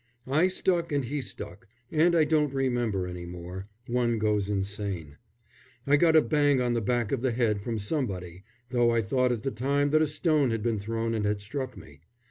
I stuck and he stuck and I don't remember any more one goes insane. I got a bang on the back of the head from somebody, though I thought at the time that a stone had been thrown and had struck me.